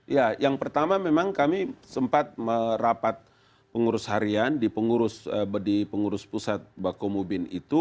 ya yang pertama memang kami sempat merapat pengurus harian di pengurus pusat bakomubin itu